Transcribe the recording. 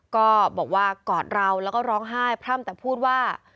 ก็บอกว่ากอดเราแล้วก็ร้องไห้พร่ำแต่พูดว่า